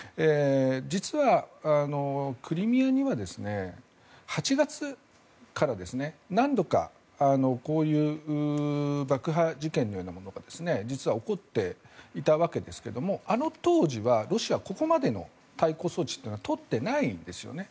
実はクリミアには８月から何度かこういう爆破事件のようなものが実は起こっていたわけですがあの当時はロシアはここまでの対抗措置は取ってないんですよね。